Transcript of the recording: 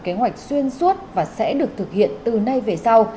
kế hoạch xuyên suốt và sẽ được thực hiện từ nay về sau